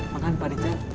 makan pak rijal